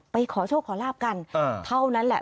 ขอโชคขอลาบกันเท่านั้นแหละ